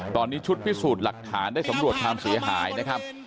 ตอนนี้ชุดพิสูจน์หลักฐานได้สำรวจความเสียหายนะครับ